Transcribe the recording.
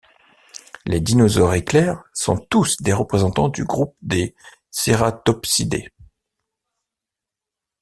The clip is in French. Les Dinosaures Éclair sont tous des représentants du groupe des cératopsidés.